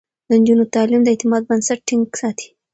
د نجونو تعليم د اعتماد بنسټ ټينګ ساتي.